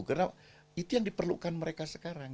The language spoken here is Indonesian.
karena itu yang diperlukan mereka sekarang